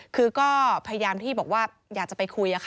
คือก็พยายามที่บอกว่าอยากจะไปคุย